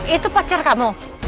itu pacar kamu